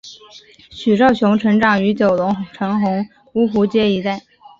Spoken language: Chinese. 许绍雄成长于九龙城红磡芜湖街一带。